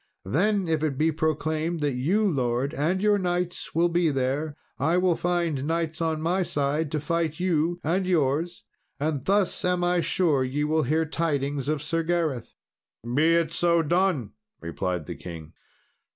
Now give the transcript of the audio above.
Then if it be proclaimed that you, lord, and your knights will be there, I will find knights on my side to fight you and yours, and thus am I sure ye will hear tidings of Sir Gareth." "Be it so done," replied the king.